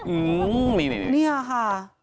อื้อนี่เนี่ยค่ะ